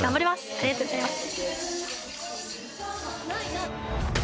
ありがとうございます。